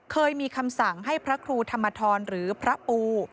เคยมีคำสั่งให้พระครูธรรมทรหรือพระปู